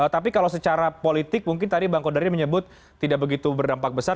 tapi kalau secara politik mungkin tadi bang kodari menyebut tidak begitu berdampak besar